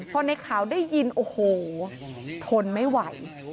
พอในขาวได้ยินโอ้โหทนไม่ไหว